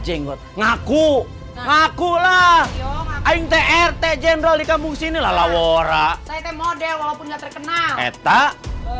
jenggot ngaku ngaku lah aing rt jendral dikabung sini lalawara saya model walaupun nggak terkenal